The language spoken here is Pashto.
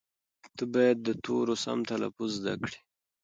ته باید د تورو سم تلفظ زده کړې.